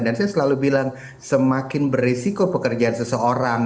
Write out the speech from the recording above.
dan saya selalu bilang semakin berisiko pekerjaan seseorang